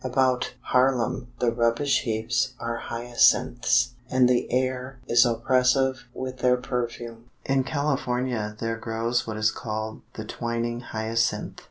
About Haarlem the rubbish heaps are hyacinths, and the air is oppressive with their perfume. In California there grows what is called the Twining Hyacinth.